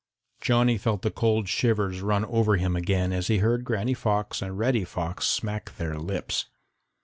Johnny felt the cold shivers run over him again as he heard Granny Fox and Reddy Fox smack their lips.